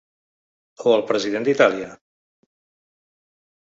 O el president d’Itàlia?